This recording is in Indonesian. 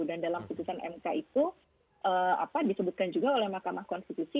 dan dalam keputusan mk itu disebutkan juga oleh mahkamah konstitusi